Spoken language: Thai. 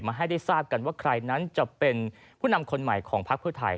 ให้ได้ทราบกันว่าใครนั้นจะเป็นผู้นำคนใหม่ของพักเพื่อไทย